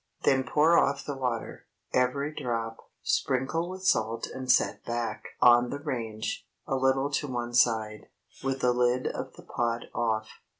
Then pour off the water, every drop; sprinkle with salt and set back on the range, a little to one side, with the lid of the pot off.